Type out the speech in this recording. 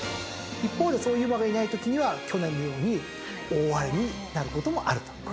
一方でそういう馬がいないときには去年のように大荒れになることもあると。